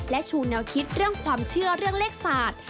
และชูแนวคิดเรื่องความเชื่อเรื่องเลขศาสตร์